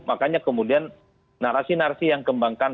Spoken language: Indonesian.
makanya kemudian narasi narasi yang kembangkan